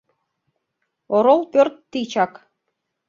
Орол пӧрт тичак.